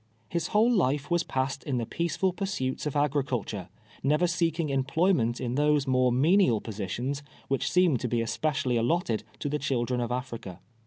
His whole life was passed in the peaceful pursuits of agriculture, never seeking em ployment in those more menial positions, which seem to be especially allotted to the children of Africa.